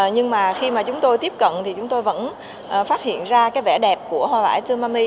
nhưng mà khi mà chúng tôi tiếp cận thì chúng tôi vẫn phát hiện ra cái vẻ đẹp của hoa vải tsumami